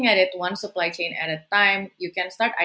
tapi dengan melihatnya satu kumpulan perang